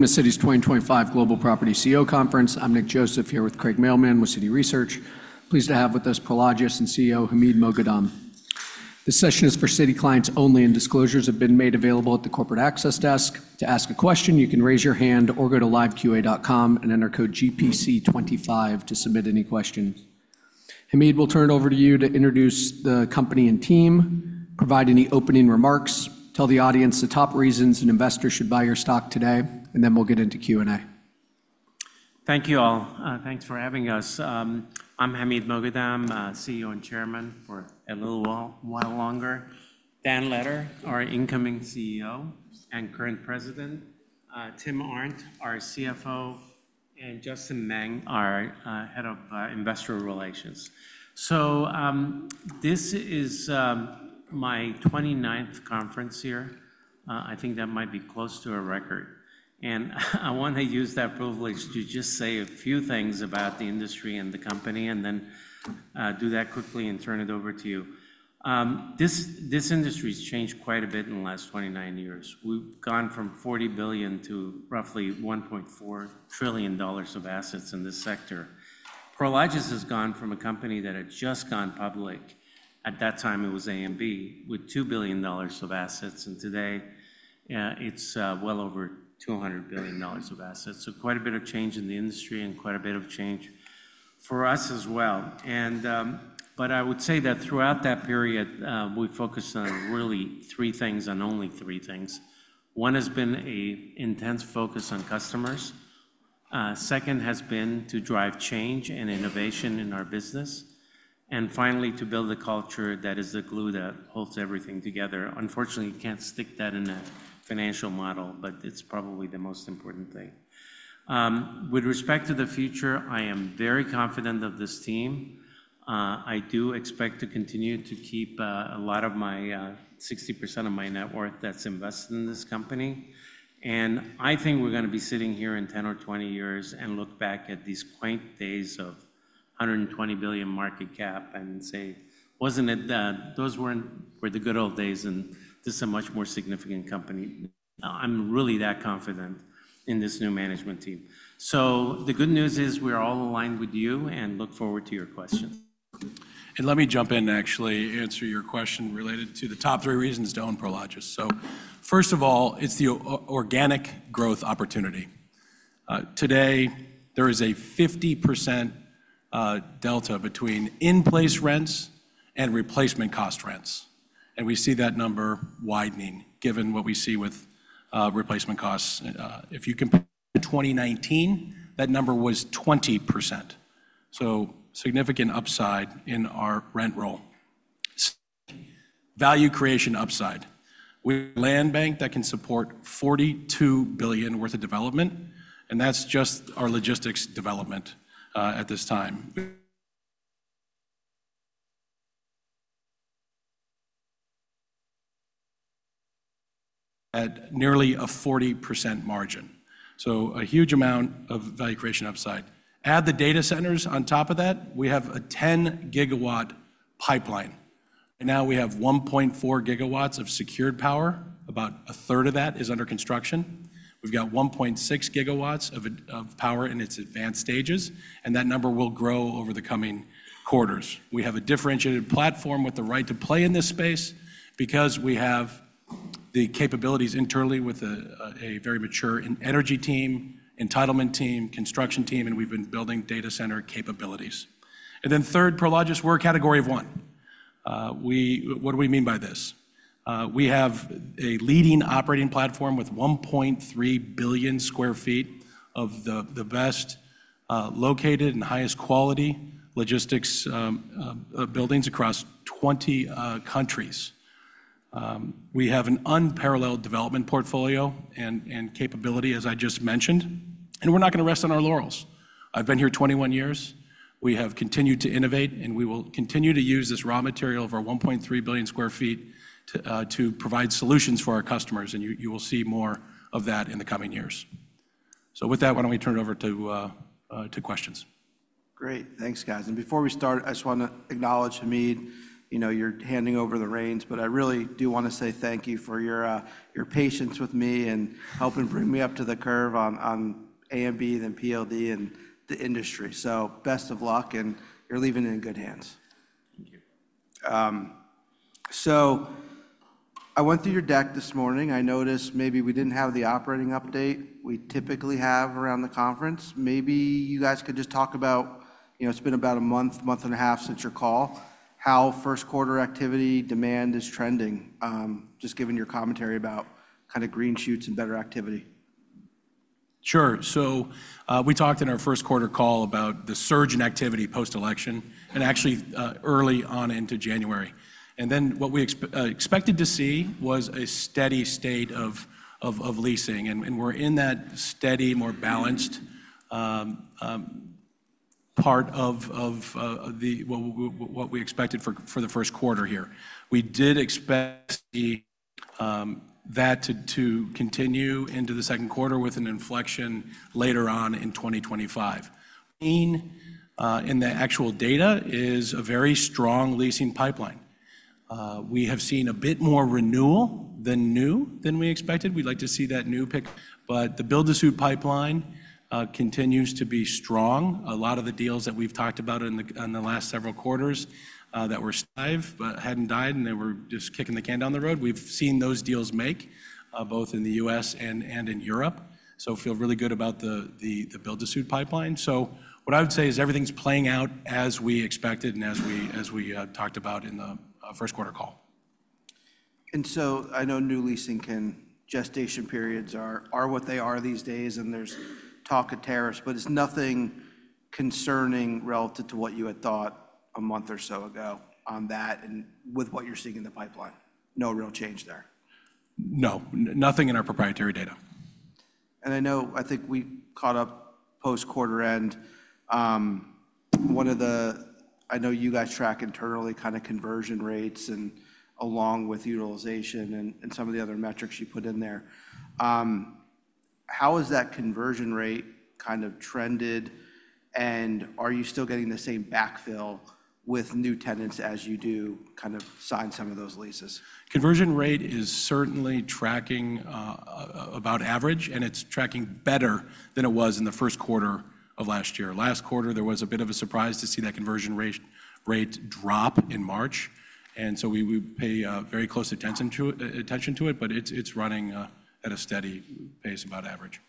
The Citi's 2025 Global Property CEO Conference. I'm Nick Joseph here with Craig Mailman with Citi Research. Pleased to have with us Prologis and CEO Hamid Moghadam. This session is for Citi clients only, and disclosures have been made available at the Corporate Access Desk. To ask a question, you can raise your hand or go to live.qa.com and enter code GPC25 to submit any questions. Hamid, we'll turn it over to you to introduce the company and team, provide any opening remarks, tell the audience the top reasons an investor should buy your stock today, and then we'll get into Q&A. Thank you all. Thanks for having us. I'm Hamid Moghadam, CEO and Chairman for a little while longer. Dan Letter, our incoming CEO and current president. Tim Arndt, our CFO, and Justin Meng, our Head of Investor Relations. So this is my 29th conference here. I think that might be close to a record, and I want to use that privilege to just say a few things about the industry and the company, and then do that quickly and turn it over to you. This industry has changed quite a bit in the last 29 years. We've gone from $40 billion to roughly $1.4 trillion of assets in this sector. Prologis has gone from a company that had just gone public. At that time, it was AMB, with $2 billion of assets, and today it's well over $200 billion of assets. So quite a bit of change in the industry and quite a bit of change for us as well. But I would say that throughout that period, we focused on really three things, on only three things. One has been an intense focus on customers. Second has been to drive change and innovation in our business. And finally, to build a culture that is the glue that holds everything together. Unfortunately, you can't stick that in a financial model, but it's probably the most important thing. With respect to the future, I am very confident of this team. I do expect to continue to keep a lot of my 60% of my net worth that's invested in this company. And I think we're going to be sitting here in 10 or 20 years and look back at these quaint days of $120 billion market cap and say, "Wasn't it? Those weren't the good old days, and this is a much more significant company." I'm really that confident in this new management team. So the good news is we're all aligned with you and look forward to your questions. And let me jump in, actually, answer your question related to the top three reasons to own Prologis. So first of all, it's the organic growth opportunity. Today, there is a 50% delta between in-place rents and replacement cost rents. And we see that number widening given what we see with replacement costs. If you compare to 2019, that number was 20%. So significant upside in our rent roll. Value creation upside. We have a land bank that can support $42 billion worth of development, and that's just our logistics development at this time. At nearly a 40% margin. So a huge amount of value creation upside. Add the data centers on top of that, we have a 10 GW pipeline. Now we have 1.4 GW of secured power. About a third of that is under construction. We've got 1.6 GW of power in its advanced stages, and that number will grow over the coming quarters. We have a differentiated platform with the right to play in this space because we have the capabilities internally with a very mature energy team, entitlement team, construction team, and we've been building data center capabilities, and then third, Prologis were Category of One. What do we mean by this? We have a leading operating platform with 1.3 billion sq ft of the best located and highest quality logistics buildings across 20 countries. We have an unparalleled development portfolio and capability, as I just mentioned, and we're not going to rest on our laurels. I've been here 21 years. We have continued to innovate, and we will continue to use this raw material of our 1.3 billion sq ft to provide solutions for our customers, and you will see more of that in the coming years. So with that, why don't we turn it over to questions? Great. Thanks, guys. And before we start, I just want to acknowledge Hamid, you're handing over the reins, but I really do want to say thank you for your patience with me and helping bring me up to the curve on AMB, then PLD, and the industry. So best of luck, and you're leaving in good hands. Thank you. So I went through your deck this morning. I noticed maybe we didn't have the operating update we typically have around the conference. Maybe you guys could just talk about it. It's been about a month and a half since your call, how first quarter activity demand is trending, just given your commentary about kind of green shoots and better activity. Sure. So we talked in our first quarter call about the surge in activity post-election and actually early on into January. And then what we expected to see was a steady state of leasing, and we're in that steady, more balanced part of what we expected for the first quarter here. We did expect that to continue into the second quarter with an inflection later on in 2025. In the actual data is a very strong leasing pipeline. We have seen a bit more renewal than new than we expected. We'd like to see that new pick, but the build-to-suit pipeline continues to be strong. A lot of the deals that we've talked about in the last several quarters that were alive but hadn't died and they were just kicking the can down the road, we've seen those deals make both in the U.S. and in Europe. So I feel really good about the build-to-suit pipeline. So what I would say is everything's playing out as we expected and as we talked about in the first quarter call. And so I know new leasing and gestation periods are what they are these days, and there's talk of tariffs, but it's nothing concerning relative to what you had thought a month or so ago on that and with what you're seeing in the pipeline. No real change there. No, nothing in our proprietary data. I know I think we caught up post-quarter end. One of the, I know you guys track internally kind of conversion rates and along with utilization and some of the other metrics you put in there. How has that conversion rate kind of trended? Are you still getting the same backfill with new tenants as you do kind of sign some of those leases? Conversion rate is certainly tracking about average, and it's tracking better than it was in the first quarter of last year. Last quarter, there was a bit of a surprise to see that conversion rate drop in March, and so we pay very close attention to it, but it's running at a steady pace about average.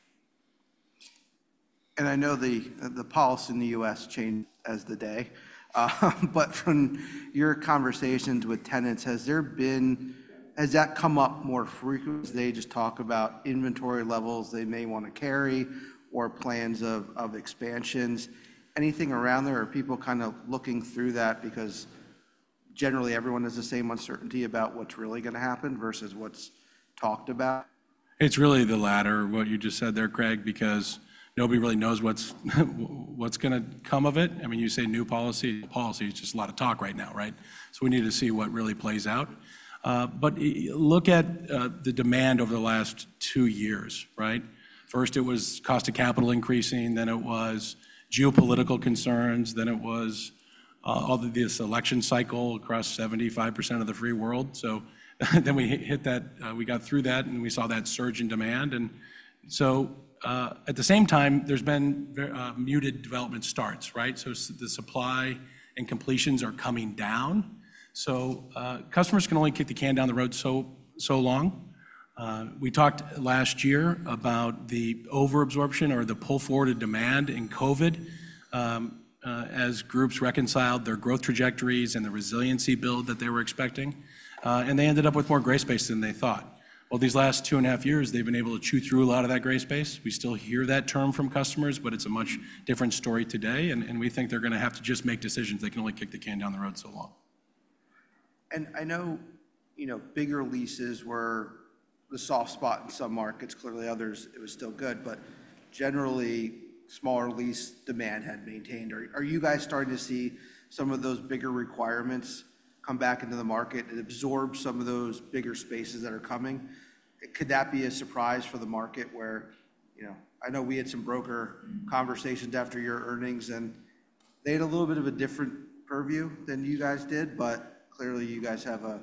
I know the policy in the U.S. changed yesterday, but from your conversations with tenants, has that come up more frequently? They just talk about inventory levels they may want to carry or plans of expansions. Anything around there? Are people kind of looking through that because generally everyone has the same uncertainty about what's really going to happen versus what's talked about? It's really the latter, what you just said there, Craig, because nobody really knows what's going to come of it. I mean, you say new policy. Policy is just a lot of talk right now, right? So we need to see what really plays out. But look at the demand over the last two years, right? First, it was cost of capital increasing, then it was geopolitical concerns, then it was all of this election cycle across 75% of the free world. So then we hit that, we got through that, and we saw that surge in demand. And so at the same time, there's been muted development starts, right? So the supply and completions are coming down. So customers can only kick the can down the road so long. We talked last year about the over absorption or the pull forward of demand in COVID as groups reconciled their growth trajectories and the resiliency build that they were expecting, and they ended up with more gray space than they thought. Well, these last two and a half years, they've been able to chew through a lot of that gray space. We still hear that term from customers, but it's a much different story today. And we think they're going to have to just make decisions. They can only kick the can down the road so long. And I know bigger leases were the soft spot in some markets. Clearly, others, it was still good, but generally, smaller lease demand had maintained. Are you guys starting to see some of those bigger requirements come back into the market and absorb some of those bigger spaces that are coming? Could that be a surprise for the market where I know we had some broker conversations after your earnings, and they had a little bit of a different purview than you guys did, but clearly, you guys have a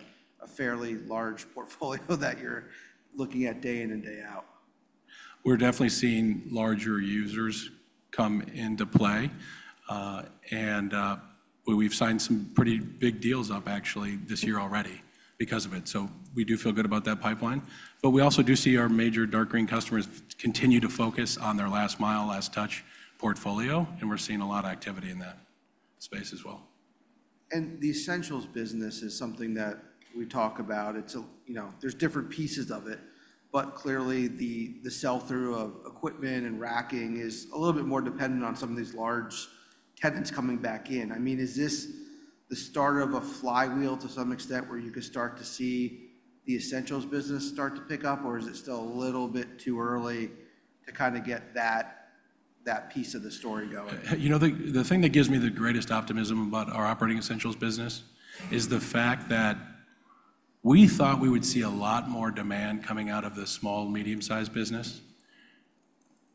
fairly large portfolio that you're looking at day in and day out. We're definitely seeing larger users come into play. And we've signed some pretty big deals up actually this year already because of it. So we do feel good about that pipeline. But we also do see our major dark green customers continue to focus on their last mile, last touch portfolio, and we're seeing a lot of activity in that space as well. The essentials business is something that we talk about. There's different pieces of it, but clearly, the sell-through of equipment and racking is a little bit more dependent on some of these large tenants coming back in. I mean, is this the start of a flywheel to some extent where you could start to see the essentials business start to pick up, or is it still a little bit too early to kind of get that piece of the story going? You know, the thing that gives me the greatest optimism about our operating essentials business is the fact that we thought we would see a lot more demand coming out of the small, medium-sized business.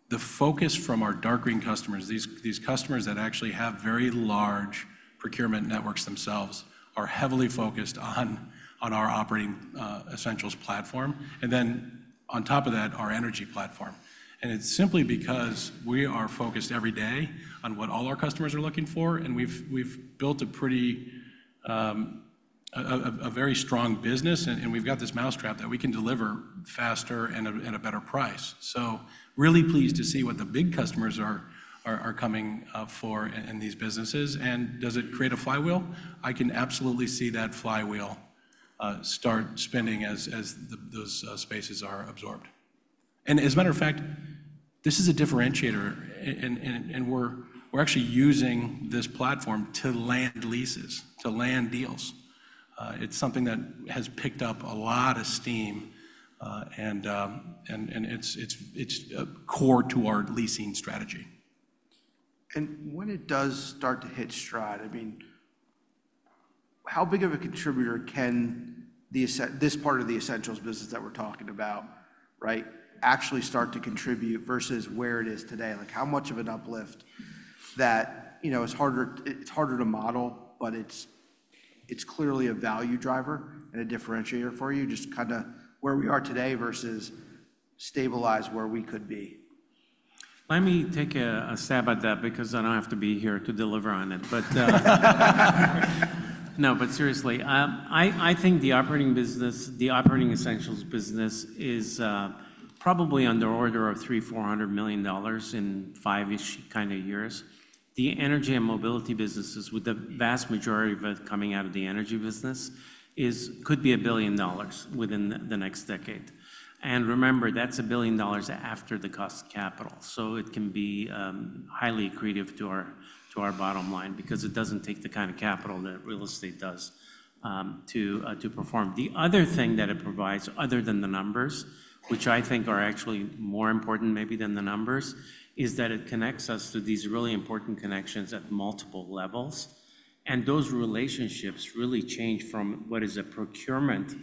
The focus from our dark green customers, these customers that actually have very large procurement networks themselves, are heavily focused on our operating essentials platform, and then on top of that, our energy platform, and it's simply because we are focused every day on what all our customers are looking for, and we've built a very strong business, and we've got this mousetrap that we can deliver faster and at a better price, so really pleased to see what the big customers are coming for in these businesses, and does it create a flywheel? I can absolutely see that flywheel start spinning as those spaces are absorbed. As a matter of fact, this is a differentiator, and we're actually using this platform to land leases, to land deals. It's something that has picked up a lot of steam, and it's core to our leasing strategy. When it does start to hit stride, I mean, how big of a contributor can this part of the essentials business that we're talking about, right, actually start to contribute versus where it is today? How much of an uplift that it's harder to model, but it's clearly a value driver and a differentiator for you, just kind of where we are today versus stabilized where we could be? Let me take a stab at that because I don't have to be here to deliver on it. No, but seriously, I think the operating business, the operating essentials business is probably on the order of $300 million-$400 million in five-ish kind of years. The energy and mobility businesses, with the vast majority of it coming out of the energy business, could be a billion dollars within the next decade. And remember, that's a billion dollars after the cost of capital. So it can be highly accretive to our bottom line because it doesn't take the kind of capital that real estate does to perform. The other thing that it provides, other than the numbers, which I think are actually more important maybe than the numbers, is that it connects us to these really important connections at multiple levels. And those relationships really change from what is a procurement,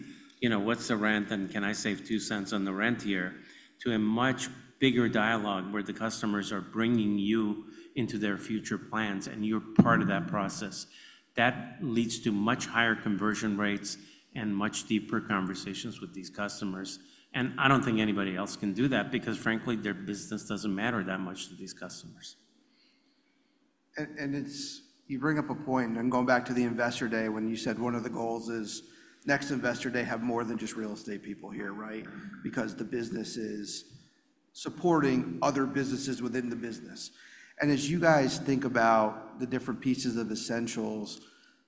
what's the rent, and can I save two cents on the rent here, to a much bigger dialogue where the customers are bringing you into their future plans, and you're part of that process. That leads to much higher conversion rates and much deeper conversations with these customers. And I don't think anybody else can do that because, frankly, their business doesn't matter that much to these customers. And you bring up a point, and I'm going back to the investor day when you said one of the goals is next investor day have more than just real estate people here, right? Because the business is supporting other businesses within the business. And as you guys think about the different pieces of essentials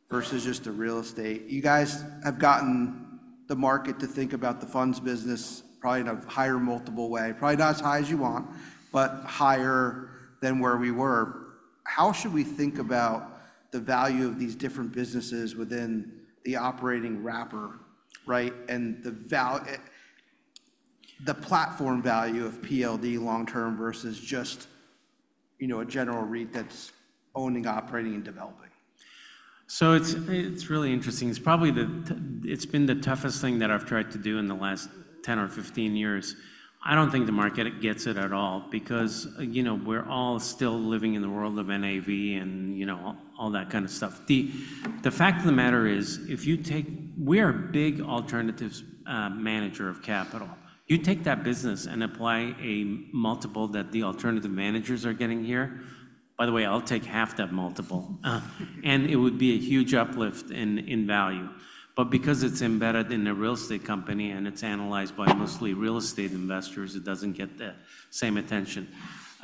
versus just the real estate, you guys have gotten the market to think about the funds business probably in a higher multiple way, probably not as high as you want, but higher than where we were. How should we think about the value of these different businesses within the operating wrapper, right? And the platform value of PLD long-term versus just a general REIT that's owning, operating, and developing? So it's really interesting. It's probably been the toughest thing that I've tried to do in the last 10 or 15 years. I don't think the market gets it at all because we're all still living in the world of NAV and all that kind of stuff. The fact of the matter is, if you take, we are a big alternative manager of capital. You take that business and apply a multiple that the alternative managers are getting here. By the way, I'll take half that multiple. And it would be a huge uplift in value. But because it's embedded in a real estate company and it's analyzed by mostly real estate investors, it doesn't get the same attention.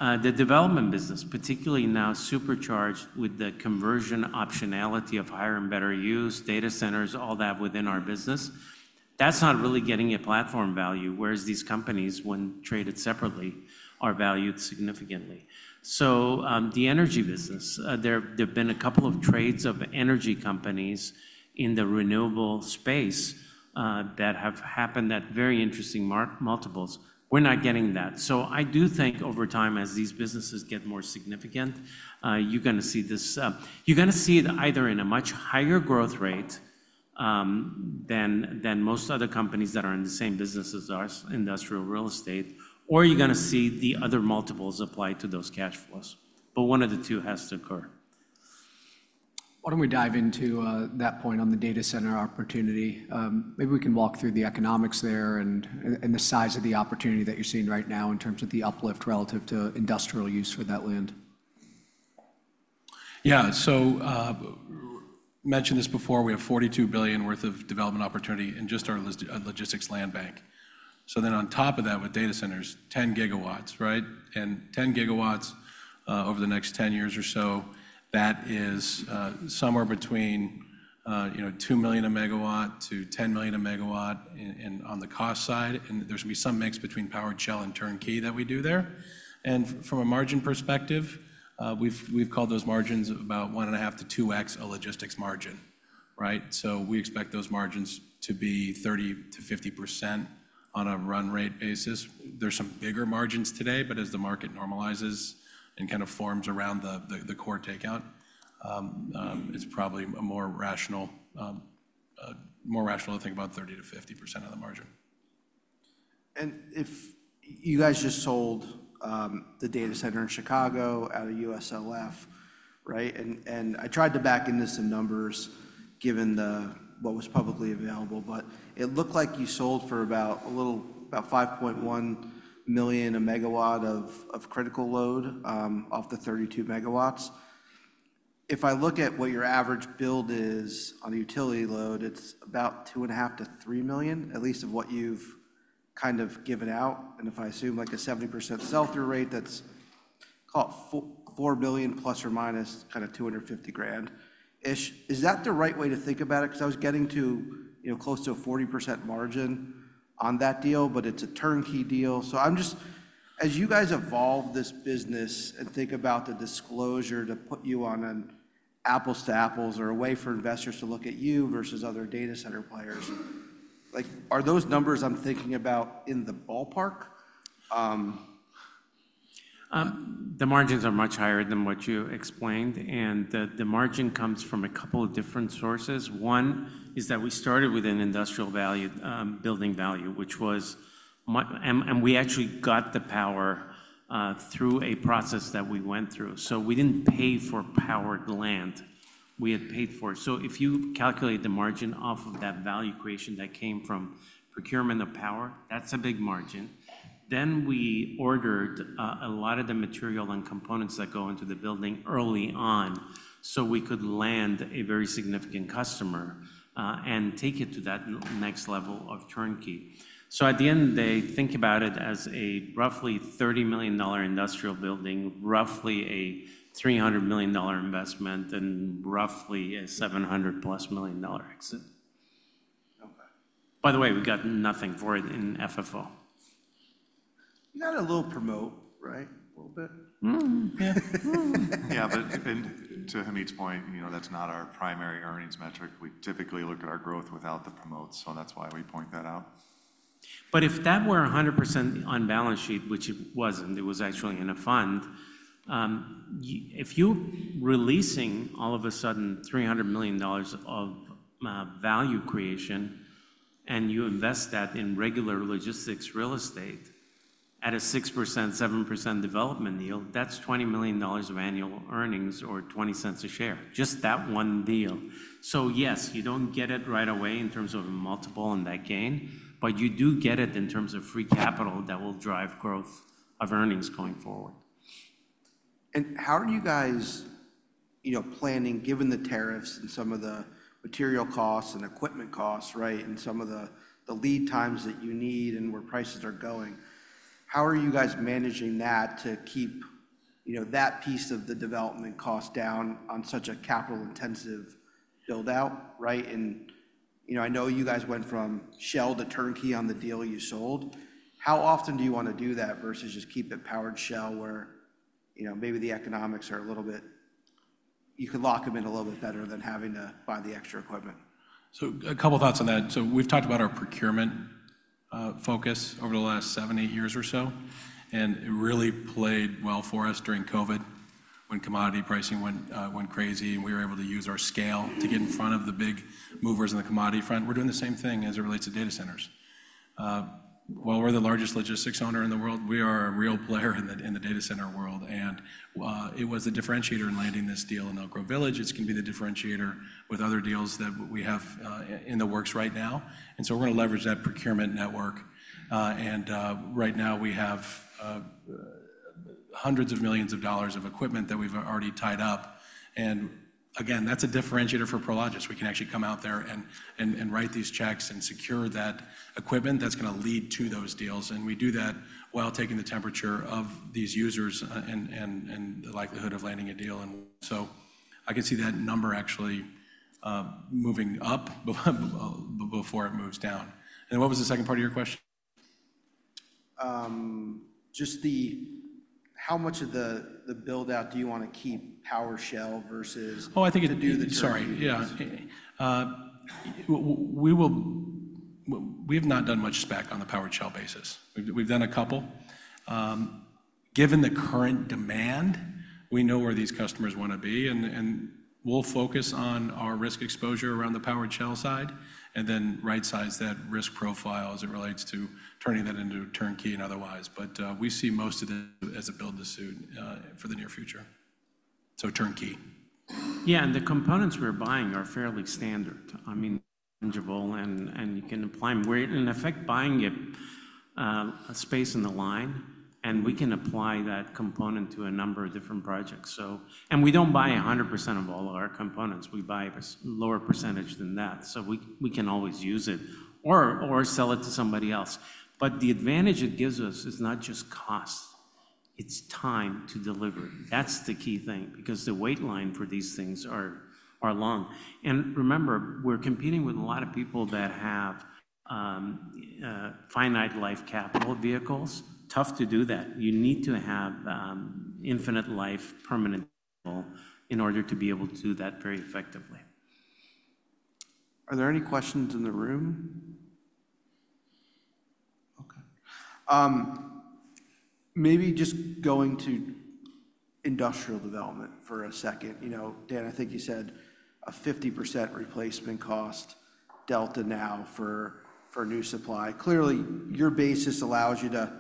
The development business, particularly now supercharged with the conversion optionality of higher and better use, data centers, all that within our business, that's not really getting a platform value, whereas these companies, when traded separately, are valued significantly, so the energy business, there have been a couple of trades of energy companies in the renewable space that have happened at very interesting multiples. We're not getting that, so I do think over time, as these businesses get more significant, you're going to see this—you're going to see it either in a much higher growth rate than most other companies that are in the same business as ours, industrial real estate, or you're going to see the other multiples apply to those cash flows, but one of the two has to occur. Why don't we dive into that point on the data center opportunity? Maybe we can walk through the economics there and the size of the opportunity that you're seeing right now in terms of the uplift relative to industrial use for that land. Yeah. So I mentioned this before. We have $42 billion worth of development opportunity in just our logistics land bank. So then on top of that with data centers, 10 GW, right? And 10 GW over the next 10 years or so, that is somewhere between $2 million-$10 million per megawatt on the cost side. And there's going to be some mix between powered shell and turnkey that we do there. And from a margin perspective, we've called those margins about one and a half to two X a logistics margin, right? So we expect those margins to be 30%-50% on a run rate basis. There's some bigger margins today, but as the market normalizes and kind of forms around the core takeout, it's probably more rational to think about 30%-50% of the margin. You guys just sold the data center in Chicago out of USLF, right? And I tried to back into some numbers given what was publicly available, but it looked like you sold for about a little, about $5.1 million a megawatt of critical load off the 32 megawatts. If I look at what your average build is on the utility load, it's about $2.5 million-$3 million, at least of what you've kind of given out. And if I assume like a 70% sell-through rate, that's called $4 billion plus or minus kind of $250,000-ish. Is that the right way to think about it? Because I was getting to close to a 40% margin on that deal, but it's a turnkey deal. So I'm just, as you guys evolve this business and think about the disclosure to put you on an apples to apples or a way for investors to look at you versus other data center players, are those numbers I'm thinking about in the ballpark? The margins are much higher than what you explained, and the margin comes from a couple of different sources. One is that we started with an industrial value, building value, which was, and we actually got the power through a process that we went through, so we didn't pay for powered land. We had paid for it. So if you calculate the margin off of that value creation that came from procurement of power, that's a big margin. Then we ordered a lot of the material and components that go into the building early on so we could land a very significant customer and take it to that next level of turnkey. So at the end of the day, think about it as a roughly $30 million industrial building, roughly a $300 million investment, and roughly a $700+ million exit. By the way, we got nothing for it in FFO. You got a little promote, right? A little bit? Yeah, but to Hamid's point, that's not our primary earnings metric. We typically look at our growth without the promotes, so that's why we point that out. But if that were 100% on balance sheet, which it wasn't, it was actually in a fund, if you're releasing all of a sudden $300 million of value creation and you invest that in regular logistics real estate at a 6%-7% development yield, that's $20 million of annual earnings or $0.20 a share, just that one deal. So yes, you don't get it right away in terms of a multiple and that gain, but you do get it in terms of free capital that will drive growth of earnings going forward. And how are you guys planning, given the tariffs and some of the material costs and equipment costs, right, and some of the lead times that you need and where prices are going? How are you guys managing that to keep that piece of the development cost down on such a capital-intensive build-out, right? And I know you guys went from shell to turnkey on the deal you sold. How often do you want to do that versus just keep it powered shell where maybe the economics are a little bit, you could lock them in a little bit better than having to buy the extra equipment? A couple of thoughts on that. We've talked about our procurement focus over the last seven, eight years or so. And it really played well for us during COVID when commodity pricing went crazy, and we were able to use our scale to get in front of the big movers in the commodity front. We're doing the same thing as it relates to data centers. While we're the largest logistics owner in the world, we are a real player in the data center world. And it was the differentiator in landing this deal in Elk Grove Village. It's going to be the differentiator with other deals that we have in the works right now. And so we're going to leverage that procurement network. And right now, we have hundreds of millions of dollars of equipment that we've already tied up. And again, that's a differentiator for Prologis. We can actually come out there and write these checks and secure that equipment that's going to lead to those deals. We do that while taking the temperature of these users and the likelihood of landing a deal. So I can see that number actually moving up before it moves down. What was the second part of your question? Just how much of the build-out do you want to keep powered shell versus? We have not done much spec on the powered shell basis. We've done a couple. Given the current demand, we know where these customers want to be, and we'll focus on our risk exposure around the powered shell side and then right-size that risk profile as it relates to turning that into turnkey and otherwise. But we see most of this as a build-to-suit for the near future, so turnkey. Yeah. And the components we're buying are fairly standard. I mean, tangible, and you can apply them. We're, in effect, buying a space in the line, and we can apply that component to a number of different projects. And we don't buy 100% of all of our components. We buy a lower percentage than that. So we can always use it or sell it to somebody else. But the advantage it gives us is not just cost. It's time to deliver. That's the key thing because the wait line for these things are long. And remember, we're competing with a lot of people that have finite life capital vehicles. Tough to do that. You need to have infinite life, permanent capital in order to be able to do that very effectively. Are there any questions in the room? Okay. Maybe just going to industrial development for a second. Dan, I think you said a 50% replacement cost delta now for new supply. Clearly, your basis allows you to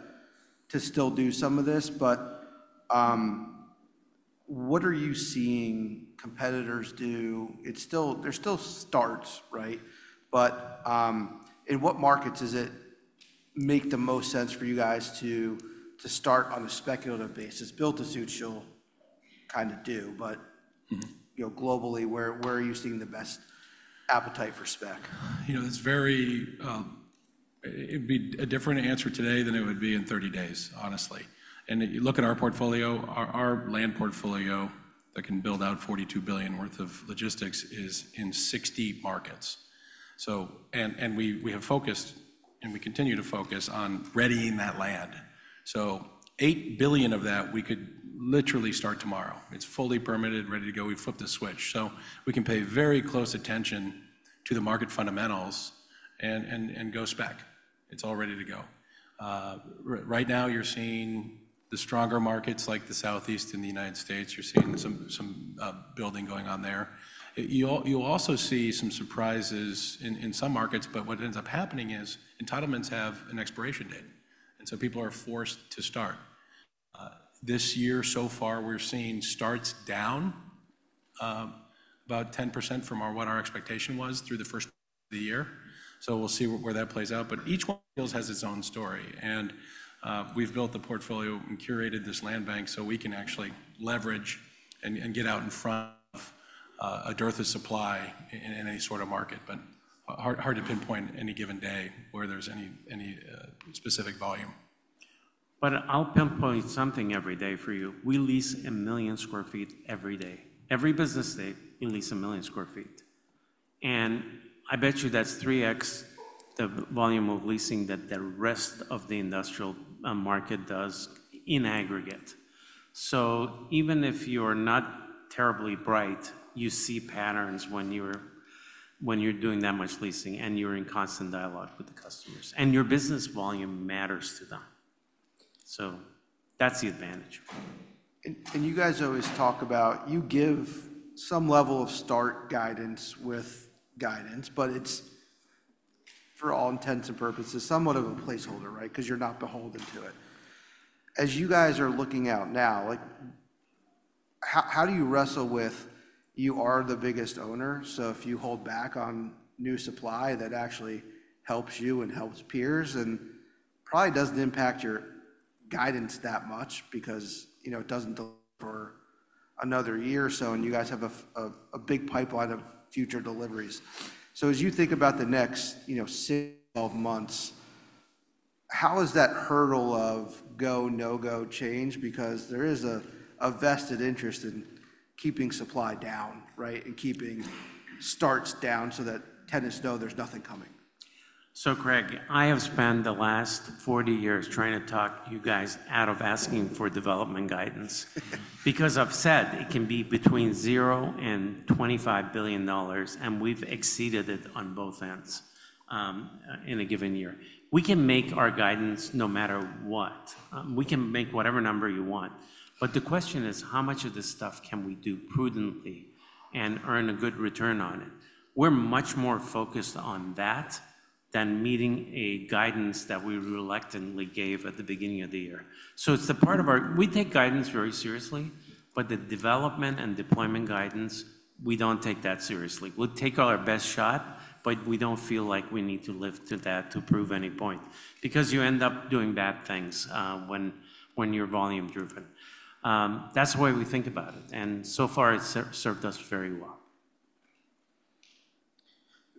still do some of this, but what are you seeing competitors do? There's still starts, right? But in what markets does it make the most sense for you guys to start on a speculative basis? Build-to-suit shell kind of do, but globally, where are you seeing the best appetite for spec? It's very, it'd be a different answer today than it would be in 30 days, honestly, and you look at our portfolio, our land portfolio that can build out $42 billion worth of logistics is in 60 markets, and we have focused, and we continue to focus on readying that land, so $8 billion of that, we could literally start tomorrow. It's fully permitted, ready to go. We flip the switch, so we can pay very close attention to the market fundamentals and go spec. It's all ready to go, right now, you're seeing the stronger markets like the Southeast in the United States. You're seeing some building going on there. You'll also see some surprises in some markets, but what ends up happening is entitlements have an expiration date, and so people are forced to start. This year, so far, we're seeing starts down about 10% from what our expectation was through the first half of the year. So we'll see where that plays out. But each one of those has its own story. And we've built the portfolio and curated this land bank so we can actually leverage and get out in front of a dearth of supply in any sort of market. But hard to pinpoint any given day where there's any specific volume. But I'll pinpoint something every day for you. We lease a million sq ft every day. Every business day, we lease a million sq ft. And I bet you that's 3x the volume of leasing that the rest of the industrial market does in aggregate. So even if you're not terribly bright, you see patterns when you're doing that much leasing and you're in constant dialogue with the customers. And your business volume matters to them. So that's the advantage. And you guys always talk about you give some level of start guidance with guidance, but it's, for all intents and purposes, somewhat of a placeholder, right? Because you're not beholden to it. As you guys are looking out now, how do you wrestle with you are the biggest owner, so if you hold back on new supply that actually helps you and helps peers and probably doesn't impact your guidance that much because it doesn't deliver for another year or so and you guys have a big pipeline of future deliveries? So as you think about the next 12 months, how has that hurdle of go, no-go changed? Because there is a vested interest in keeping supply down, right, and keeping starts down so that tenants know there's nothing coming. So Craig, I have spent the last 40 years trying to talk you guys out of asking for development guidance because I've said it can be between $0 and $25 billion, and we've exceeded it on both ends in a given year. We can make our guidance no matter what. We can make whatever number you want. But the question is, how much of this stuff can we do prudently and earn a good return on it? We're much more focused on that than meeting a guidance that we reluctantly gave at the beginning of the year. So it's the part of our, we take guidance very seriously, but the development and deployment guidance, we don't take that seriously. We'll take our best shot, but we don't feel like we need to live to that to prove any point because you end up doing bad things when you're volume-driven. That's the way we think about it. And so far, it's served us very well.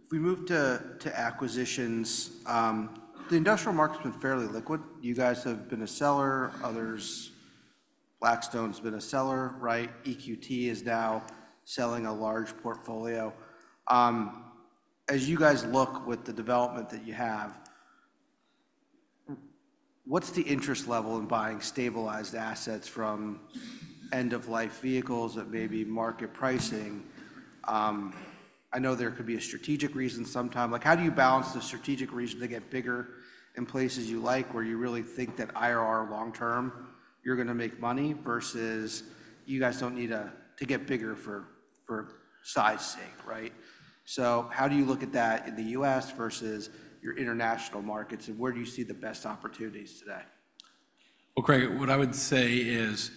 If we move to acquisitions, the industrial market's been fairly liquid. You guys have been a seller. Others, Blackstone's been a seller, right? EQT is now selling a large portfolio. As you guys look with the development that you have, what's the interest level in buying stabilized assets from end-of-life vehicles at maybe market pricing? I know there could be a strategic reason sometime. How do you balance the strategic reason to get bigger in places you like where you really think that IRR long-term, you're going to make money versus you guys don't need to get bigger for size sake, right, so how do you look at that in the U.S. versus your international markets, and where do you see the best opportunities today? Craig, what I would say is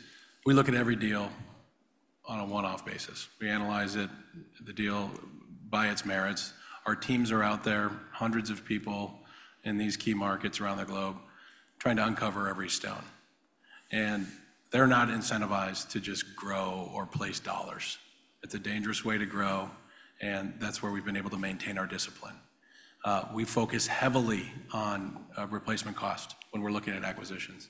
we look at every deal on a one-off basis. We analyze the deal by its merits. Our teams are out there, hundreds of people in these key markets around the globe trying to turn over every stone. And they're not incentivized to just grow or place dollars. It's a dangerous way to grow, and that's where we've been able to maintain our discipline. We focus heavily on replacement cost when we're looking at acquisitions.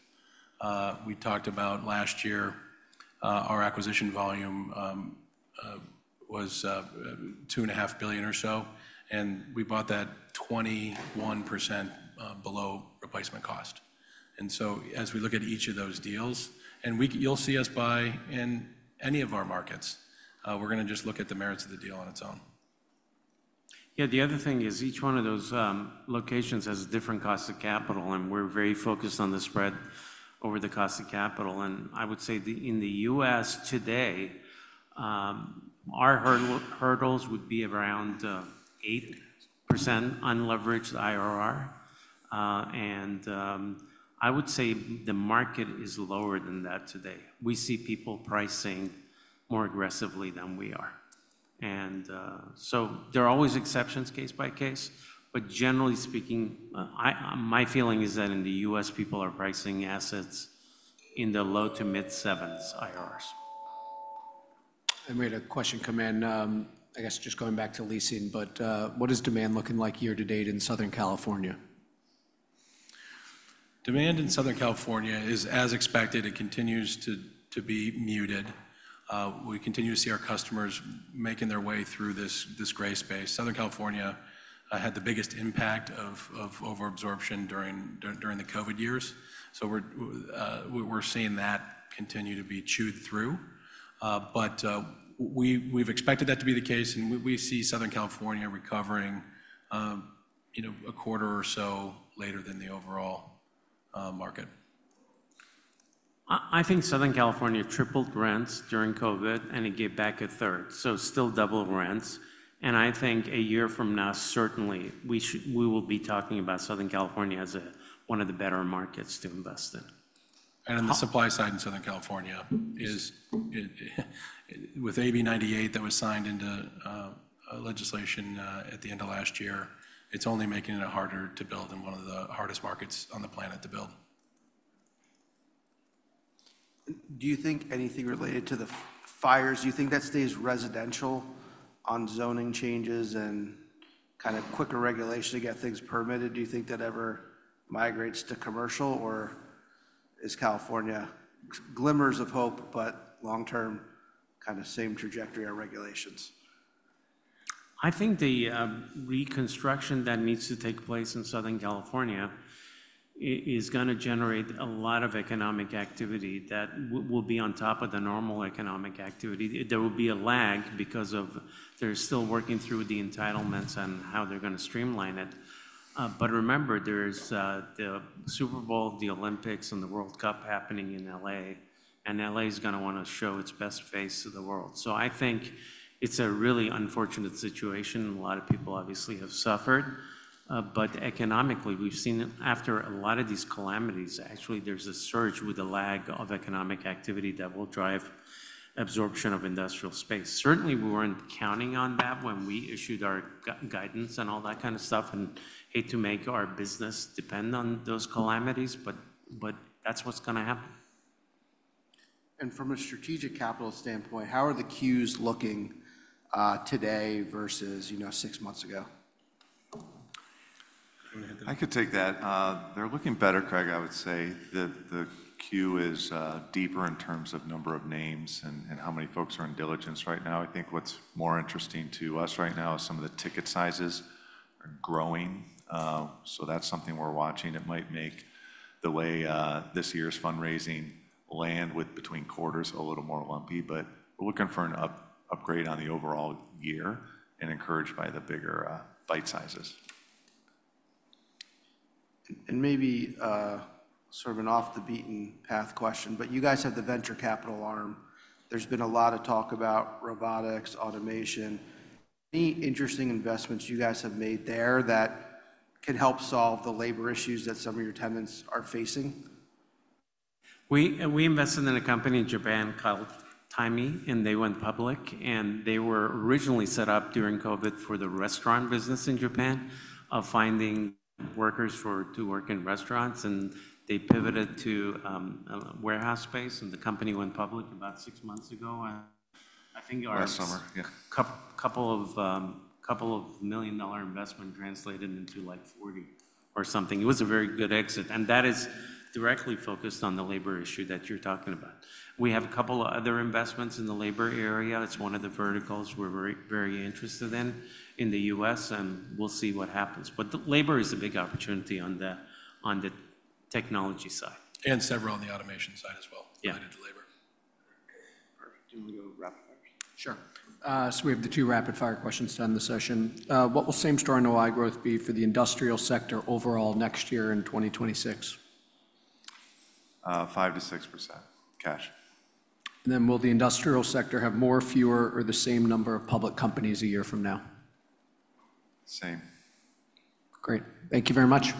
We talked about last year, our acquisition volume was $2.5 billion or so, and we bought that 21% below replacement cost. And so as we look at each of those deals, and you'll see us buy in any of our markets, we're going to just look at the merits of the deal on its own. Yeah. The other thing is each one of those locations has a different cost of capital, and we're very focused on the spread over the cost of capital. And I would say in the U.S. today, our hurdles would be around 8% unleveraged IRR. And I would say the market is lower than that today. We see people pricing more aggressively than we are. And so there are always exceptions case by case. But generally speaking, my feeling is that in the U.S., people are pricing assets in the low to mid-sevens IRRs. I had a question come in. I guess just going back to leasing, but what is demand looking like year to date in Southern California? Demand in Southern California is, as expected, it continues to be muted. We continue to see our customers making their way through this gray space. Southern California had the biggest impact of overabsorption during the COVID years. So we're seeing that continue to be chewed through, but we've expected that to be the case, and we see Southern California recovering a quarter or so later than the overall market. I think Southern California tripled rents during COVID, and it gave back a third, so still double rents, and I think a year from now, certainly, we will be talking about Southern California as one of the better markets to invest in. On the supply side in Southern California, with AB98 that was signed into legislation at the end of last year, it's only making it harder to build in one of the hardest markets on the planet to build. Do you think anything related to the fires? Do you think that stays residential on zoning changes and kind of quicker regulation to get things permitted? Do you think that ever migrates to commercial, or is California glimmers of hope, but long-term kind of same trajectory of regulations? I think the reconstruction that needs to take place in Southern California is going to generate a lot of economic activity that will be on top of the normal economic activity. There will be a lag because they're still working through the entitlements and how they're going to streamline it, but remember, there's the Super Bowl, the Olympics, and the World Cup happening in L.A., and L.A. is going to want to show its best face to the world, so I think it's a really unfortunate situation. A lot of people obviously have suffered, but economically, we've seen after a lot of these calamities, actually, there's a surge with a lag of economic activity that will drive absorption of industrial space. Certainly, we weren't counting on that when we issued our guidance and all that kind of stuff and hate to make our business depend on those calamities, but that's what's going to happen. From a strategic capital standpoint, how are the queues looking today versus six months ago? I could take that. They're looking better, Craig, I would say. The queue is deeper in terms of number of names and how many folks are in diligence right now. I think what's more interesting to us right now is some of the ticket sizes are growing. So that's something we're watching. It might make the way this year's fundraising land with between quarters a little more lumpy, but we're looking for an upgrade on the overall year and encouraged by the bigger bite sizes. Maybe sort of an off-the-beaten-path question, but you guys have the venture capital arm. There's been a lot of talk about robotics, automation. Any interesting investments you guys have made there that can help solve the labor issues that some of your tenants are facing? We invested in a company in Japan called Timee, and they went public and they were originally set up during COVID for the restaurant business in Japan of finding workers to work in restaurants and they pivoted to warehouse space, and the company went public about six months ago and I think our. Last summer, yeah. A couple of million-dollar investment translated into like 40 or something. It was a very good exit, and that is directly focused on the labor issue that you're talking about. We have a couple of other investments in the labor area. It's one of the verticals we're very interested in in the U.S., and we'll see what happens. But labor is a big opportunity on the technology side. Several on the automation side as well related to labor. Perfect. Do you want to go rapid fire? Sure. So we have the two rapid-fire questions to end the session. What will same-store NOI growth be for the industrial sector overall next year in 2026? 5%-6% cash. Then will the industrial sector have more, fewer, or the same number of public companies a year from now? Same. Great. Thank you very much.